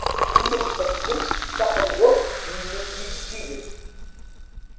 Tḥemmel ad tels taqendurt mm yijeǧǧigen.